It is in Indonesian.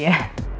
kamu tuh bisa aja